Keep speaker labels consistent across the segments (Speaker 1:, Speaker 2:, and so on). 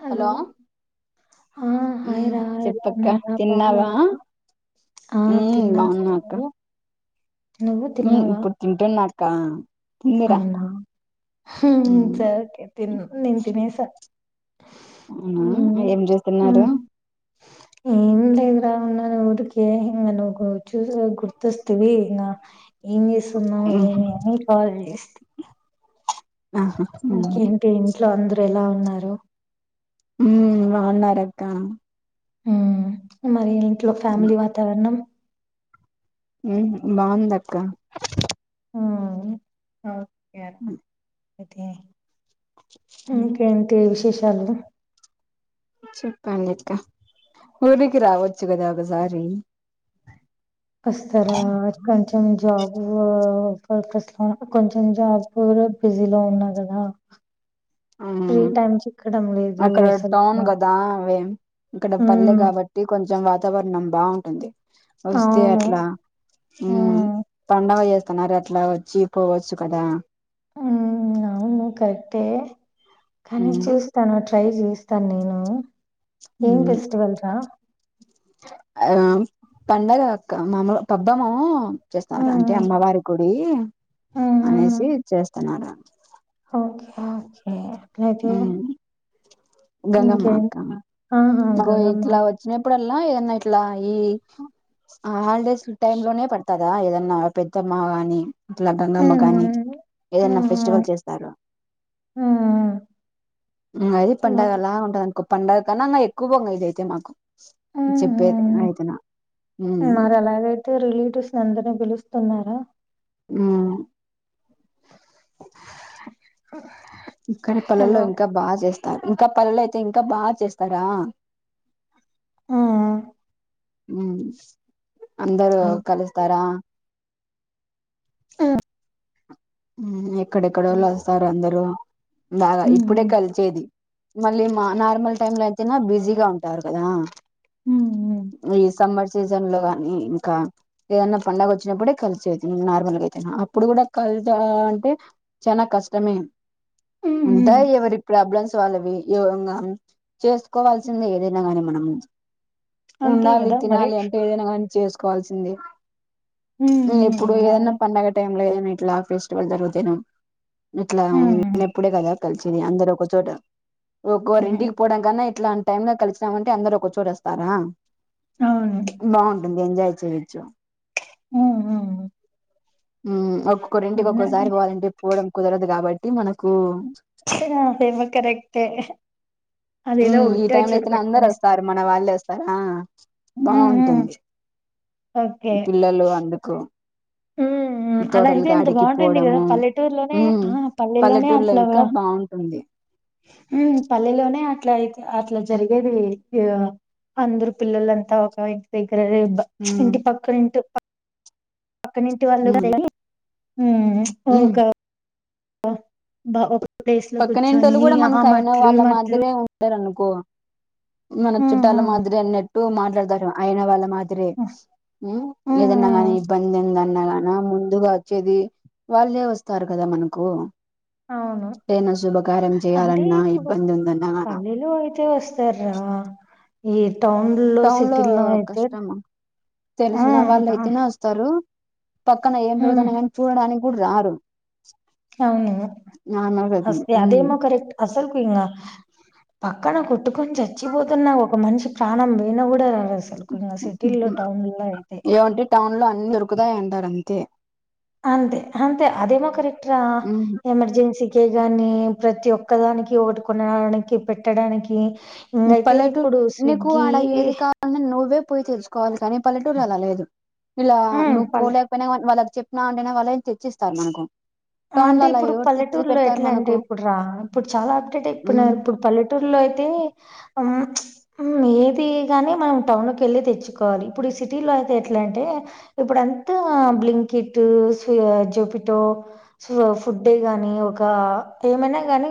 Speaker 1: Hello ఆ
Speaker 2: మ్మ్
Speaker 1: హాయిరా ఎలా
Speaker 2: చెప్పక్క
Speaker 1: ఉన్నావా
Speaker 2: తిన్నావా
Speaker 1: బాగున్నావా ఆ
Speaker 2: మ్మ్
Speaker 1: తిన్నా
Speaker 2: బాగున్నా అక్క ఇప్పుడు తింటు నా కా
Speaker 1: అవునా స
Speaker 2: మ్మ్
Speaker 1: ఓకే తిన్ ని తిన సా
Speaker 2: అవునా ఏం చేూస్తున్నారు
Speaker 1: ఇందలే రా అవున్న ఊదుక హింగను చూసి నువ్వు గుర్తస్తతవి నా ఏం చేస్తున్నావు
Speaker 2: ఉహు
Speaker 1: ఏమి అని కాాల అస్
Speaker 2: ఆహా
Speaker 1: ఇట్లో అందరు ఎలా ఉన్నారు
Speaker 2: ఉ అవున్నరక్క
Speaker 1: హ్మ్ మరి ట్ లో ఫ్యామిలీ వాతావరణం
Speaker 2: ఉ బాగుంద క్క
Speaker 1: హ్మ్ కేర అతే ఇంకేంటి విశేష చాల
Speaker 2: చెప్పం ఇక్క ఊరికి రావచ్చు కదా ఒకసారి
Speaker 1: వస్తారా కొంచెం జాబ్ పర్పస్ లో కొంచెం జాబ్ బిజీ లో ఉన్నా కదా
Speaker 2: ఆ
Speaker 1: ఫ్రీ టైమ్ చిక్కడం లేదు
Speaker 2: అక్కడ
Speaker 1: అసలు
Speaker 2: టౌన్ కదా అవే ఇక్కడ పల్లె
Speaker 1: ఉమ్
Speaker 2: కాబట్టి కొంచెం వాతావరణం బాగుంటుంది వస్తే
Speaker 1: అవును
Speaker 2: అట్లా
Speaker 1: ఉమ్
Speaker 2: పండగస్త అక్కనర అట్లా వచ్చి పోవచ్చు కదా
Speaker 1: ఉ నవును కరెక్టే కానీ
Speaker 2: ఉమ్
Speaker 1: చూస్తాను ట్రై చేస్తాను నేను ఏం ఫెస్టివల్ రా
Speaker 2: ఆ పండగ మమలు పబ్ద్దామాము [unintelligible] చేస్తారు
Speaker 1: ఉమ్
Speaker 2: అంటే అమ్మవారి గుడి
Speaker 1: ఉమ్ ఉమ్
Speaker 2: అనేసి చేస్త వత్తన్నాడ
Speaker 1: ఓకే ఓకే అట్లయితే
Speaker 2: గంగమ్మ
Speaker 1: ఇంకేం
Speaker 2: అక్క
Speaker 1: ఆహా
Speaker 2: నాకు
Speaker 1: గంగమ్మ
Speaker 2: ఇట్లా వచ్చినప్పుడల్లా ఏదన్నా ఇట్లా ఈ ఆ హాలిడేస్ టైమ్ లోనే పడతదా ఏదన్నా పెద్దమ్మ గాని ఇట్లా గంగమ్మ
Speaker 1: ఉమ్
Speaker 2: కాని ఏదైనా
Speaker 1: ఉమ్
Speaker 2: ఫెస్టివల్ చేస్తారు
Speaker 1: ఉమ్
Speaker 2: అది
Speaker 1: ఉమ్ ఉమ్
Speaker 2: పండగలా ఉంటదనుకో పండగ కన్నా అంగా ఎక్కువంగ ఇదైతే మాకు
Speaker 1: ఆహా
Speaker 2: చెప్పేది అయితేన ఉమ్
Speaker 1: మరి అలాగైతే రిలేటివ్స్ ని అందరినీ పిలుస్త తిన్నారా
Speaker 2: ఊ ఇక్కడ
Speaker 1: హలో
Speaker 2: పల్లెల్లో ఇంకా బాగా చేస్త ఇంకా పల్లెలు అయితే ఇంకా బా చేస్తారా
Speaker 1: ఆ
Speaker 2: ఊ అందరు
Speaker 1: ఆ
Speaker 2: కలుస్తారా
Speaker 1: ఆ
Speaker 2: ఎక్కడెక్కడో వాళ్ళు వస్తారు అందరూ బాగా
Speaker 1: ఉమ్
Speaker 2: ఇప్పుడే
Speaker 1: ఉమ్
Speaker 2: కలిసేది మళ్ళీ మా నార్మల్ టైమ్ లో అయి తన బిజీగా ఉంటారు కదా
Speaker 1: ఉమ్
Speaker 2: ఈ సమ్మర్ సీజన్ లోగాని ఇంకా ఏదన్నా పండగ వచ్చినప్పుడే కలిసేది నార్మల్గా అయితేనా అప్పుడు కూడా కలి బాఅంటే చాల కష్టమే
Speaker 1: ఉమ్ ఉమ్,
Speaker 2: ఉంటా
Speaker 1: ఉమ్.
Speaker 2: ఎవరి ప్రాబ్లమ్స్ వాలవి యోంగా చేసుకోవాల్సింది ఏదైనా కాని [unintelligible]
Speaker 1: అంతే
Speaker 2: ఉండాలి
Speaker 1: కదా మరి
Speaker 2: తినాలి అంటే ఏదైనా గా ని చేసుకోవాల్సిందే
Speaker 1: ఉమ్
Speaker 2: ఇప్పుడు
Speaker 1: ఉమ్
Speaker 2: ఏదైనా
Speaker 1: అదే
Speaker 2: పండగటే లేదు ఇట్లా ఫెస్టివల్ జరుగుతేనో ఇట్లా
Speaker 1: ఉమ్
Speaker 2: నేను ఎప్పుడే కదా కలిసేది అందరు ఒకచోట ఒ
Speaker 1: ఉమ్
Speaker 2: రెండికి పోవడా కన్నా ఇట్లా అంట టైమ్ గా కలిచినామంటే అందరు ఒక చోట వస్తారా
Speaker 1: అవును
Speaker 2: అ ఎంజయ చదిచ్చు
Speaker 1: ఆ
Speaker 2: [inaudible] ఒకరింటికి ఒక్కసారి పోవాలంటే పోవడం కుదరదు కాబట్టి మనకు
Speaker 1: ఫే మా కరెక్తే
Speaker 2: ఈ టైం అయితేనే అందరు వస్తారు మన వాళ్ళు వస్తారు. ఆ
Speaker 1: ఉమ్ ఉమ్
Speaker 2: బాగుంటుంది.
Speaker 1: ఓకే
Speaker 2: పిల్లలు అందుకు
Speaker 1: ఉమ్ ఉమ్ అలా అయితే
Speaker 2: తోటలుగా
Speaker 1: ఎంత బాగుంటుంది కదా
Speaker 2: అడిగిపోవడము
Speaker 1: పల్లెటూరులోనే
Speaker 2: హ
Speaker 1: ఆ పల్లెలోనే
Speaker 2: పల్లెటూళ్లో
Speaker 1: అట్లా
Speaker 2: ఇంకా బాగుంటుంది.
Speaker 1: పల్లెలోనే అట్లా అయితే అట్లా జరిగేది. అందరు పిల్లలంతా ఒక ఇంటి దగ్గర. ఇే
Speaker 2: మ్మ్
Speaker 1: ఇంటి పక్కన ఇంటి పక్క నుంటి వాళ్ళు
Speaker 2: మ్మ్ మ్మ్
Speaker 1: ఓకా ఆ బా ఓకే
Speaker 2: పక్కనంటోళ్ళ కూడా మనకు అయిన
Speaker 1: ఈ
Speaker 2: వాళ్ళ
Speaker 1: మట్లు
Speaker 2: మాదిరే ఉంటారునుకు కో మన
Speaker 1: ఉమ్,
Speaker 2: చుట్టాల
Speaker 1: ఉమ్,
Speaker 2: మాదిరిన్ని మాట్లాడతారు. అయిన వాళ్ళ మా
Speaker 1: ఉమ్,
Speaker 2: ఏదన్నగానీ
Speaker 1: ఉమ్,
Speaker 2: ఇబ్బందుందన్నాగానీ ముందుగా వచ్చేది వాళ్ళే వస్తారు. కదా మనకు
Speaker 1: అవును
Speaker 2: ఏదైనా శుభకార్యం
Speaker 1: అంటే
Speaker 2: చేయాలన్నా
Speaker 1: ఇప్పుడు.
Speaker 2: ఇబ్బంది ఉందన్నా గాన
Speaker 1: పల్లీలో అయితే వస్తార్రా మీ
Speaker 2: టౌన్ లో కష్టం
Speaker 1: ఆ
Speaker 2: తెలిసిన వాళ్ళు
Speaker 1: ఆ,
Speaker 2: అయితేనే వస్తారు. పక్కన ఏం
Speaker 1: ఉమ్,
Speaker 2: [unintelligible] చూడడానికి ఇపుడు రారు
Speaker 1: అవును
Speaker 2: నార్మల్ గా
Speaker 1: హస్తే
Speaker 2: ఉమ్,
Speaker 1: అదేమో కరెక్ట్ అ అసలు ఇంకా పక్కన పెట్టుకొని చచ్చిపోతున్న ఒక మనిషి ప్రాణం పోయినా కూడా. అసలు ఇంగ సిటీల్లో టౌన్లో అయితే
Speaker 2: ఏమంటే టౌన్ లో అన్ని దొరుకుతాయంటార్. అంతే
Speaker 1: అంతే అంతే అదేమో కరెక్ట రా
Speaker 2: ఉమ్,
Speaker 1: ఎమర్జెన్సీ ఇంకే కానీ ప్రతి ఒక్కదానికి ఓట్కునడానికి పెట్టడానికి ఇంగైతే
Speaker 2: పల్లెటూరూ
Speaker 1: ఇప్పుడు
Speaker 2: నీకు
Speaker 1: స్విగ్గీ
Speaker 2: అడ ఏది కావలనా నువ్వే పోయి తెచుకోవాలి కానీ పల్లెటూరు అలా లేదు ఇలా
Speaker 1: హ్మ్
Speaker 2: నువ్వు
Speaker 1: పల్
Speaker 2: పోలేకపోయినా వాళ్ళకి చెప్ నా అంటేనే వాలే చెప్ ఇచ్చిస్తారు మనకు టౌన్ లో
Speaker 1: అంటే
Speaker 2: అలా
Speaker 1: ఇప్పుడు
Speaker 2: ఎవరు తెచ్చి
Speaker 1: పల్లెటూరులో
Speaker 2: పెడతారు
Speaker 1: ఎట్లంటే
Speaker 2: మనకు
Speaker 1: ఇప్పుడు రా ఇప్పుడు చాలా అప్డేట్
Speaker 2: ఉమ్
Speaker 1: అయితునరు ఇప్పుడు పల్లెటూర్లో అయితే ఏది గానీ మనం టౌన్ కెళ్ళి తెచ్చుకోవాలి ఇప్పుడు సిటీలో అయితే ఎట్లా అంటే ఇప్పుడంతా బ్లింకిటూ జుపిటో సో ఫుడే గాని ఒక ఏమనా కానీ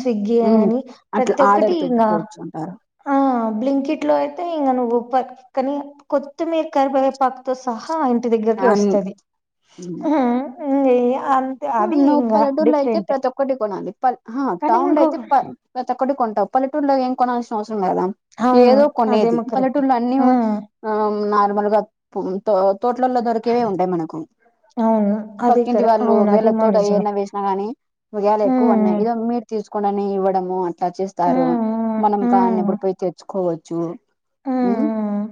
Speaker 1: స్విగ్గీ
Speaker 2: ఉమ్,
Speaker 1: అని
Speaker 2: అట్లా
Speaker 1: ప్రతి ఒక్కటి
Speaker 2: ఆర్డర్
Speaker 1: ఇంకా
Speaker 2: పెట్టుకోవచ్చు అంటారు
Speaker 1: ఆ బ్లింకెట్ లో అయితే ఇంగ నువ్వు పక్కనే కొత్తిమీర కరివేపాకుతో సహా ఆ ఇంటి దగ్గరకి
Speaker 2: అన్-
Speaker 1: వస్తది [unintelligible]
Speaker 2: నువ్
Speaker 1: ఇంగ
Speaker 2: పలెటూర్లో అయితే
Speaker 1: డిఫరెంట్
Speaker 2: ప్రతి ఒక్కటి కొనాలి హ
Speaker 1: కానీ
Speaker 2: టౌన్లో
Speaker 1: ఇంకో
Speaker 2: అయితే ప్రతి ఒక్కటి కొనా పలెటూర్లో ఏం కొనల్సినవసరం ఉండదు కదా
Speaker 1: అవును
Speaker 2: ఏదో కొనేది
Speaker 1: అదేమో కరెక్టే
Speaker 2: పలెటూర్లో అన్ని
Speaker 1: ఆ
Speaker 2: ఆ న [unintelligible] తోటలల్లో దొరికేవే ఉంటాయి మనకు
Speaker 1: అవును అది
Speaker 2: పక్కింటి
Speaker 1: కర
Speaker 2: వాళ్ళు
Speaker 1: అవును అదేమో
Speaker 2: తోటలో
Speaker 1: నిజమే
Speaker 2: ఏరినా వేసినా కానీ ఇండియాలో ఎక్కువ ఉన్నా
Speaker 1: హ్మ్
Speaker 2: ఇదో మీరు తెచుకోడానే ఇవ్వడము అట్లా చేస్తారు
Speaker 1: హ్మ్
Speaker 2: మనం కాన్ని
Speaker 1: హ్మ్
Speaker 2: ఇప్పుడు పోయి తెచ్చుకోవచ్చు
Speaker 1: హ్మ్ హ్మ్.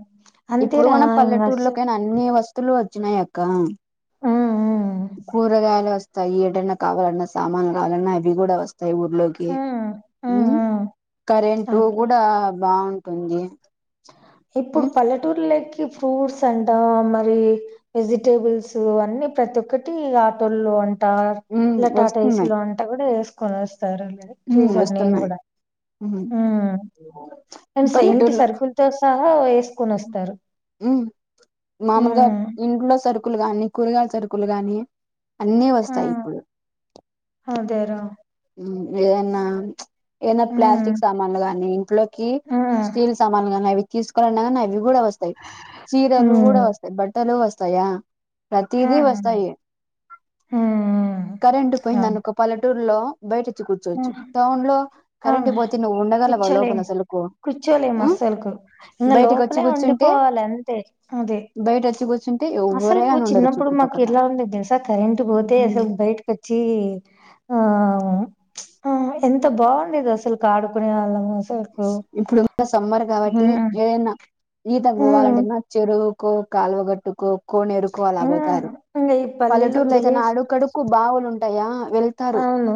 Speaker 2: ఇప్పుడు
Speaker 1: అంతేరా
Speaker 2: కూడా
Speaker 1: ఇంగ అస్స
Speaker 2: పల్లెటూరులోకైనా అన్ని వస్తువులు వ వచ్చినయ అక్క
Speaker 1: హ్మ్ హ్మ్
Speaker 2: కూరగాయలు అన్ని వస్తాయి ఏదన్నా కావాలన్నా సామానులు కావాలన్నా అవి కూడా వస్తాయి వస్తాయి ఊర్లోకి
Speaker 1: హ్మ్ హ్మ్ హ్మ్.
Speaker 2: కరెంట్
Speaker 1: ఓకే
Speaker 2: కూడా బాగుంటుంది ఉంది
Speaker 1: ఇప్పుడు పల్లెటూరుల్లకి ఫ్రూట్స్ అంటాం మరి వెజిటేబుల్స్ అన్ని ప్రతి ఒక్కటి ఆటోల్లో అంట
Speaker 2: ఉమ్
Speaker 1: ఇలా టాటాఏసి
Speaker 2: వస్తున్నాయి
Speaker 1: లో వంట కూడా సరే లే
Speaker 2: ఉమ్
Speaker 1: చూసాను నేను
Speaker 2: వస్తున్నాయి
Speaker 1: కూడా
Speaker 2: ఉమ్
Speaker 1: హు కానీ సైలెంట్
Speaker 2: పల్లెటూరులో
Speaker 1: సరుకుల్ తెస్తార వేసుకొని వస్తార
Speaker 2: ఉమ్ మామూలుగా ఇంట్లో సరి సరుకులు గాని కూరగాయల సరుకులు గానీ అన్నీ వస్తాయి ఇప్పుడు. ఏన్నా ఏదన్న ప్లాస్టిక్ సామాన్లు గాని ఇంట్లోకి స్టీల్ సామాన్లు గాని అవి. తీసుకురానా కూడా వస్తాయి. చీరలు కూడా వస్తాయి, బట్టలు వస్తాయి. తయా ప్రతిది వస్తాయి. కరెంటు పోయినందుకు పల్లేటూరు. హలో బయటకి వచ్చి కూర్చోచ్చు.
Speaker 1: అవును
Speaker 2: టౌన్ లో కరెంట్
Speaker 1: అవును
Speaker 2: పోతే నువ్వు ఉండగలవా, లోపల
Speaker 1: కూర్చోలేం
Speaker 2: అసలకు
Speaker 1: కూర్చోలేం అస్సలుకు ఇంగ
Speaker 2: బయటికి వచ్చి
Speaker 1: లోపలే
Speaker 2: కూర్చుంటే
Speaker 1: ఉండిపోవాలి అంతే అదే
Speaker 2: బయట వచ్చి కూర్చుంటే. ఎవ్వరే
Speaker 1: అసలుకు
Speaker 2: గాని ఉండరు
Speaker 1: చిన్నప్పుడు మాకు
Speaker 2: చుట్టుపక్కల
Speaker 1: ఎలా ఉండేదో తెలుసా కరెంట్ పోతే. అసలు బయటకు వచ్చి ఆ ఆ ఎంత బాగుండేది. అసలు ఆడుకునే వాళ్ళము అసలుకు
Speaker 2: ఇప్పుడు సమ్మర్ కాబట్టి
Speaker 1: హ్మ్
Speaker 2: ఏదైనా జీతం
Speaker 1: హ్మ్
Speaker 2: పోవాలంటేన్న చెరువు కో కాల్వగట్టుకో కోనేరుకు అలా పోతారు
Speaker 1: ఇంగ ఈ పల్లెలో
Speaker 2: పల్లెటూర్ల అయితే నా
Speaker 1: విలేజ్
Speaker 2: అడుగడుగుకు బావులుంటాయి. దయా వెళ్తారు.
Speaker 1: అవును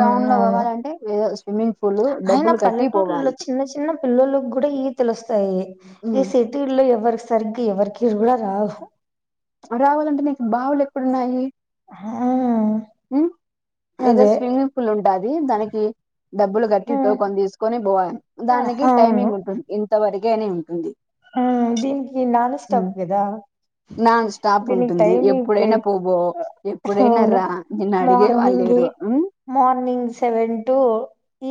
Speaker 2: టౌన్ లో
Speaker 1: అవును
Speaker 2: పోవ్వాలంటే ఏదో స్విమ్మింగ్ పూల్ డబ్బులు కట్.
Speaker 1: పల్లెటూరులో చిన్న చిన్న పిల్లలకి కూడా ఇవి తెలుస్తాయి. ఈ
Speaker 2: ఉమ్,
Speaker 1: సిటీలో ఎవరి సర్గ ఎవరికిీరు కూడా కూడా రాహ
Speaker 2: రావాలంటే నీకు బావులు ఎక్కడున్నాయి.
Speaker 1: ఆ
Speaker 2: ఏదో స్విమ్మింగ్ పూల్ ఉంటుది. దానికి డబ్బులు కట్టి
Speaker 1: హ్మ్
Speaker 2: టోకని తీసుకొని పోవాలి. దానికి టైమింగ్ ఉంటుంది. ఇంతవరకు గానే ఉంటుంది
Speaker 1: ఆ దీనికి నాన్ స్టాప్ కదా
Speaker 2: నాన్ స్టాప్
Speaker 1: దీనికినికి
Speaker 2: ఉంటుంది
Speaker 1: టైమింగ్
Speaker 2: ఎప్పుడైనా
Speaker 1: లేదు
Speaker 2: పోబో ఎప్పుడైనా
Speaker 1: అవును
Speaker 2: రా నిన్ను అడిగే వాళ్ళు
Speaker 1: మార్నింగ్
Speaker 2: లేరు
Speaker 1: eight
Speaker 2: um,
Speaker 1: morning seven to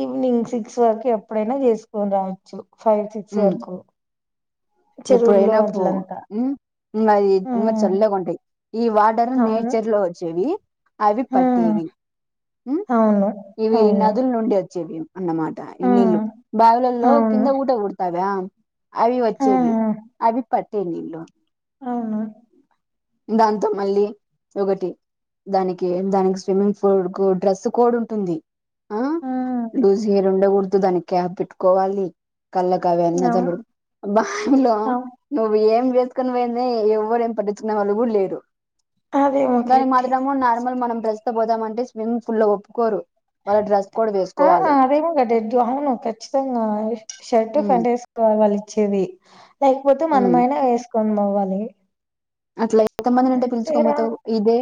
Speaker 1: evening six వరకు ఎప్పుడైనా చేసుకొని రావచ్చు ఫైవ్ సిక్స్ వరకు
Speaker 2: ఇప్పుడు
Speaker 1: చెరువుల్లో
Speaker 2: ఎనా పో
Speaker 1: అట్లంతా
Speaker 2: అది ఇమ
Speaker 1: హ్మ్
Speaker 2: చల్ కొంటయి ఈ వాటర్
Speaker 1: అవును
Speaker 2: నేచర్ లో వచ్చేవి అవి
Speaker 1: హ్మ్
Speaker 2: పట్టేవి
Speaker 1: అవును
Speaker 2: ఇవి
Speaker 1: అవును
Speaker 2: నదుల నుండి వచ్చేవి అన్నమాట ఈ నీళ్లు
Speaker 1: హ్మ్
Speaker 2: బావిలలో
Speaker 1: అవును
Speaker 2: కింద ఊట కూడతు రామ్ అవి
Speaker 1: ఆ
Speaker 2: వచ్చేవి అవి పట్టే నీళ్లు
Speaker 1: అవును
Speaker 2: దాంతో మళ్ళీ ఒకటి దానికి దానికి స్విమ్మింగ్ పూల్ డ్రెస్ కోడ్ ఉంటుంది అ
Speaker 1: ఆ
Speaker 2: లూజ్ హేర్ ఉండకూడదు దు దానికి క్యాబ్ పెట్టుకోవాలి కళ్ళకు అవి
Speaker 1: అవును
Speaker 2: అన్నజలుడు బావిలో
Speaker 1: అవును
Speaker 2: నువ్వు ఏం వేసుకొని వేం నే ఎవ్వరు ఏం పట్టి కున్న వాళ్ళు కూడా లేరు
Speaker 1: అదేమో
Speaker 2: దానికి
Speaker 1: కరెక్టే
Speaker 2: మదడము నార్మల్ మనం ప్రసి వ పోదామంటే స్విమింగ్ పూల్ లో ఒప్పుకోరు వాళ్ళ డ్రెస్ కోడ్
Speaker 1: ఆ
Speaker 2: వేసుకోవాలి
Speaker 1: అదేమో క అవును ఖచ్చితంగా షర్ట్
Speaker 2: ఉమ్
Speaker 1: ప్యా‌ంటు ఏసుకోవాలి చెవి లేకపోతే
Speaker 2: ఉమ్
Speaker 1: మనమైన వేసు వంద అవ్వాలి
Speaker 2: అట్లా అయి కొంతమందినింటే పిలుచుకొని పోతావు ఇదే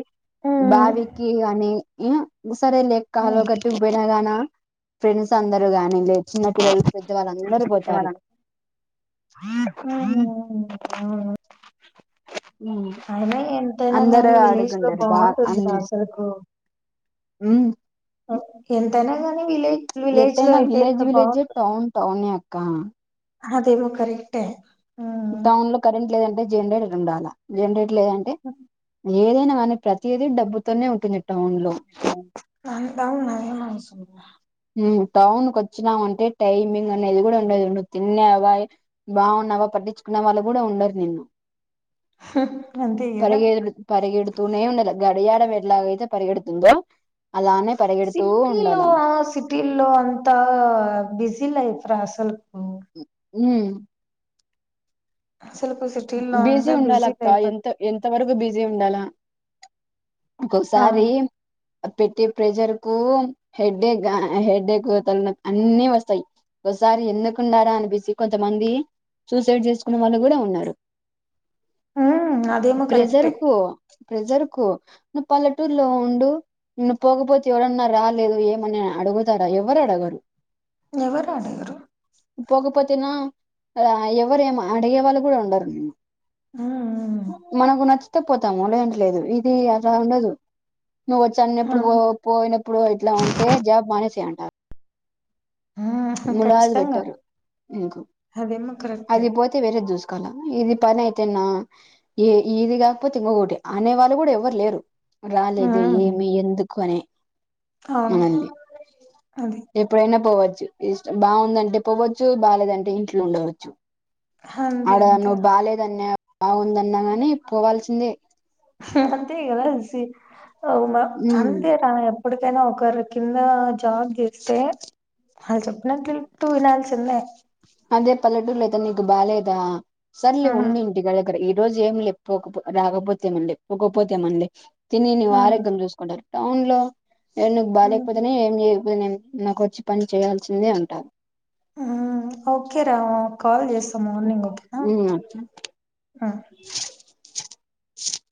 Speaker 1: హ్మ్
Speaker 2: బావికి అని ఏం సరే లే కాల్వ గట్టుకు పోయినా గానా ఫ్రెండ్స్ అందరు గాని లేదు చిన్న పిల్లలు పెద్దవాళ్ళు అందరూ పోతారు
Speaker 1: ఆ
Speaker 2: ఉమ్
Speaker 1: అయినా ఎంతైనా
Speaker 2: అందరు
Speaker 1: గాని విలేజ్ లో
Speaker 2: ఆడుకుంటారు
Speaker 1: బాగుంటుంది డ్రస్సులకు
Speaker 2: మ్
Speaker 1: గాని విలేజ్ విలేజ్ లో
Speaker 2: ఎంతైనా
Speaker 1: అయితే ఎంత
Speaker 2: విలేజ్ విలేజే, టౌన్ టౌనే అక్క
Speaker 1: అదేవో కరెక్టే హ్మ్
Speaker 2: టౌన్ లో కరెంట్ లేదంటే జనరేటర్ ఉండాల జనరేటర్ లేదంటే ఏదైనా కానీ ప్రతిదీ డబ్బుతోనే ఉంటుంది టౌన్ లో
Speaker 1: అ నర మన స
Speaker 2: హ్మ్ టౌన్ కు వచ్చినామ అంటే టైమింగ్ అనేది కూడా ఉండది నువు తినేవావా బాగున్నావా పట్టించుకునే వాళ్ళు కూడా ఉండరు నిన్న
Speaker 1: అంతే కదా
Speaker 2: పరగ పరగడు తునే ఉండదు గడియాడ ఎట్లాగ అయితే పరిగెడుతుందో అలాన్ననే పరగెడుతూ ఉండాల అమ్బ
Speaker 1: సిటీలో రటిల్లు అంతా బిజ లైఫ్ రా అసలు
Speaker 2: ఉ
Speaker 1: అసలుకు సిటీల్లో
Speaker 2: బిజీ
Speaker 1: అంతా
Speaker 2: ఉండాల అక్క
Speaker 1: లైఫ్
Speaker 2: ఎంత ఎంత వరకు బిజీ ఉండాలా గసారి
Speaker 1: అవును
Speaker 2: పెట్టి ప్రెజర్ కు హెడేక్ హెడేక్ తన అన్ని వస్తాయి ఒకసారి ఎందుకుండారా అనిపిసి కొంతమంది సూసైడ్ చేసుకున్న వాళ్ళు కూడా ఉన్నారు
Speaker 1: ఉ అదేమ కరెక్ట్
Speaker 2: ప్రజరుకు నువ్వు పల్లెటూర్లో ఉండు ను్వు పోకపోతే ఎవరన్నా రాలేదు ఏమన్నా అడుగుతారా ఎవరు అడగరు
Speaker 1: ఎవర అడవరు
Speaker 2: పోకపోతేనా ఎవరు ఏమ అడిగే వాళ్ళు కూడా ఉండరు మ్
Speaker 1: ఉమ్
Speaker 2: మనకు నచ్చితే పోతాము లేదంటే ఇది అలా ఉండదు నువ్వు వచ్చి అన్న ఎప్పుడు
Speaker 1: అవును
Speaker 2: పోయినప్పు నువ్వు ఇట్లా ఉంటే జాబ్ మానేసేయ అంటారు
Speaker 1: ఉమ్
Speaker 2: ములాజ్
Speaker 1: ఖచ్చితంగా
Speaker 2: పెట్టారు ఇంకు
Speaker 1: అదేమో కరెక్టే
Speaker 2: అది పోతే వేరే చుసుకోవాల ఇది పని తిన్న ఏ ఇది కాకపోతే ఇంగగటి అనే వాళ్ళు కూడా ఎవ్వరు లేరు రాలేదు
Speaker 1: ఉమ్
Speaker 2: ఏమి ఎందుకు అనే
Speaker 1: అవును
Speaker 2: మనల్ని
Speaker 1: అది
Speaker 2: ఎప్పుడైనా పోవచ్చు ఇష్టం బాగుందంటే పోవ్వచ్చు బాగాలేదంటే ఇంట్లో ఉండవచ్చు
Speaker 1: అంతే
Speaker 2: అడ
Speaker 1: అంతే
Speaker 2: ను బాల్యదన్య బాగుందన్నా గాని పోవాల్సిందే
Speaker 1: హా హా అంత హేగల అలసి అవునా
Speaker 2: ఉమ్
Speaker 1: అందే రా ఎప్పడికైనా ఒకరి కింద జాబ్ చేస్తే ఆలు చెప్పినట్లుూ వినాల్సిందే
Speaker 2: అదే పల్లెటూరు లేదా నీకు బాగాలేదా
Speaker 1: ఆ
Speaker 2: సల్లి ఉండు ఇంటి గగర ఇ రోజు ఏమి లే ఎపోకపో రాకపోతేమళ్ ఎ పోకపోతేమళ్ తినివ్
Speaker 1: ఆ
Speaker 2: ఆరోగ్యం చూసుకుంటారు టౌన్ లో ఏవ ను బాలేకపోతే ఏంయ నేను నాకు వచ్చి పని చేయాల్సిందే అంటాను
Speaker 1: అ ఓకే రా కాల్ చేస్తాం మార్నింగ్ ఓకేనా
Speaker 2: ఉమ్ అట్లా
Speaker 1: ఆ
Speaker 2: [inaudible]